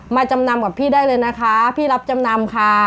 จำนำกับพี่ได้เลยนะคะพี่รับจำนำค่ะ